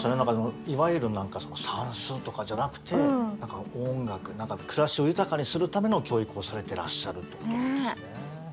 いわゆる算数とかじゃなくて何か音楽暮らしを豊かにするための教育をされてらっしゃるということですね。